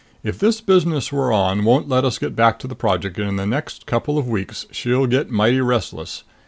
If this business we're on won't let us get back to the Project in the next couple of weeks, she'll get mighty restless.